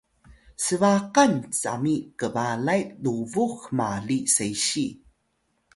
sbaqan cami kbalay lubux hmali sesiy